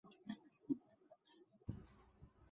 কিরণ কোনোদিন স্বামীর কাছে কিছুর জন্য আবদার করে নাই।